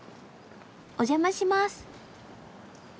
お邪魔します。